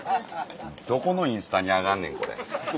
どこのインスタに上がんねんこれ。